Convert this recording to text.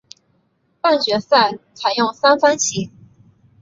半决赛采用三番棋。